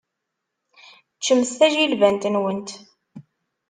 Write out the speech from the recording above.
Ččemt tajilbant-nwent.